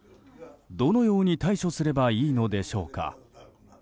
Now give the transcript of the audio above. どのように対処すればいいのでしょうか。